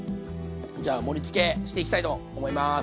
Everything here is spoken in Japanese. じゃあ盛りつけしていきたいと思います。